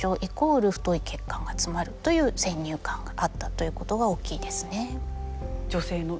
ということが大きいですね。